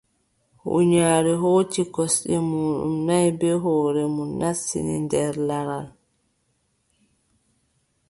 Huunyaare hooci kosɗe muuɗum nay, bee hoore mum naastini nder laral.